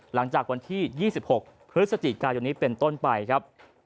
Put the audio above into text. หลังจากวันที่๒๖พฤศจิกายนนี้เป็นต้นไปครับ